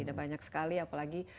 dan banyak sekali apalagi